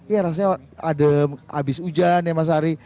ya rasanya ada habis hujan ya mas ari